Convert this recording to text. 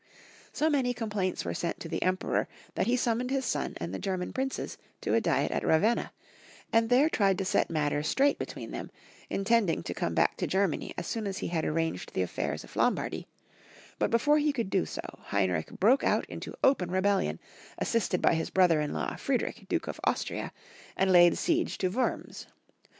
So many complaints were sent to the Emperor that he siunmoned his son and the German princes to a diet at Ravenna, and there tried to set matters straight between them, intending to come back to Germany as soon as he had arranged the affairs of Lombardy, but before he could do so Heinrich broke out into open rebellion, assisted by his brother in law, Friedrich, Duke of Austria, and laid siege to Wurms.